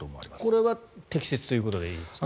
これは適切ということでいいですか？